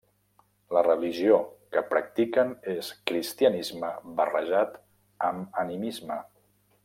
La religió que practiquen és cristianisme barrejat amb animisme.